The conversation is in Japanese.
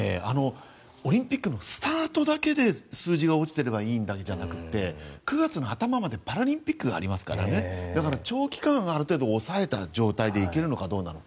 オリンピックのスタートだけで数字が落ちていればいいんじゃなくて９月の頭までパラリンピックがありますからねだから、長期間ある程度抑えた状態でいけるのかどうなのか。